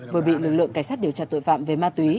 vừa bị lực lượng cảnh sát điều tra tội phạm về ma túy